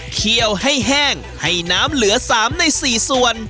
เคี่ยวให้แห้งให้น้ำเหลือ๓ใน๔ส่วน